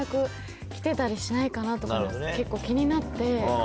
来てたりしないかなとか結構気になって。